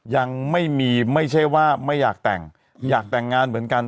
ยังไม่มีไม่ใช่ว่าไม่อยากแต่งอยากแต่งงานเหมือนกัน